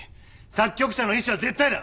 作曲者の意思は絶対だ！